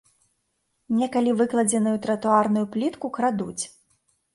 Некалі выкладзеную тратуарную плітку крадуць.